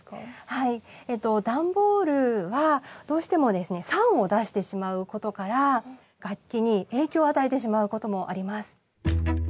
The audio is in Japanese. はいえっと段ボールはどうしてもですね酸を出してしまうことから楽器に影響を与えてしまうこともあります。